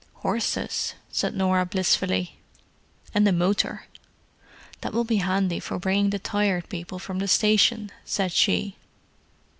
"Horses!" said Norah blissfully. "And a motor." "That will be handy for bringing the Tired People from the station," said she.